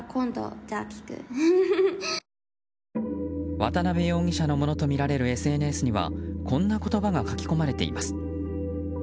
渡辺容疑者のものとみられるＳＮＳにはこんな言葉が書き込まれています。